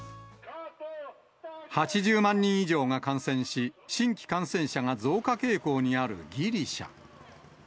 ８０万人以上が感染し、新規感染者が増加傾向にあるギリシャ。